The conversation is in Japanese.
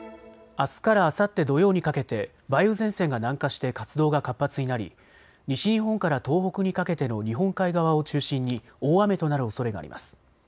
あすからあさって土曜にかけて梅雨前線が南下して活動が活発になり西日本から東北にかけての日本海側を中心に大雨となるおそれがあります。